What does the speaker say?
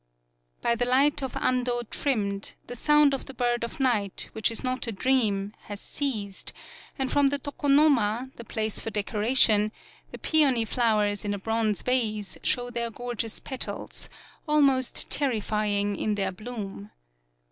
By the light of Ando trimmed, Ihe sound of the bird of night which is not a dream, has ceased, and from the Toko noma, the place for decoration, the pe ony flowers in a bronze vase show their gorgeous petals, almost terrifying in their bloom.